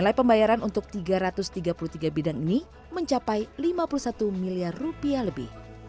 nilai pembayaran untuk tiga ratus tiga puluh tiga bidang ini mencapai lima puluh satu miliar rupiah lebih